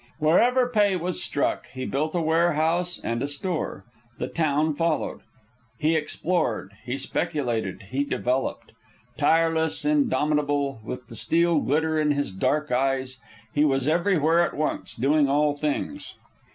Wherever pay was struck he built a warehouse and a store. The town followed. He explored; he speculated; he developed. Tireless, indomitable, with the steel glitter in his dark eyes, he was everywhere at once, doing all things.